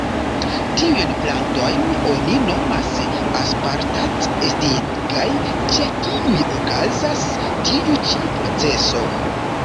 Tiujn plantojn oni nomas aspartat-estigaj, ĉe kiuj okazas tiu ĉi proceso.